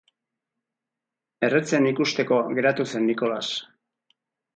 Erretzen ikusteko geratu zen Nikolas.